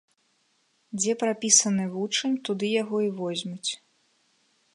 Дзе прапісаны вучань, туды яго і возьмуць.